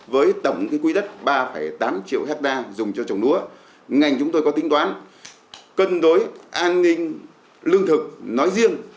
với tổng quy đất ba tám triệu hectare dùng cho trồng lúa ngành chúng tôi có tính đoán cân đối an ninh lương thực nói riêng